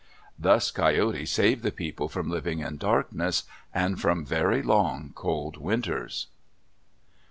Thus Coyote saved the people from living in darkness, and from very long, cold winters.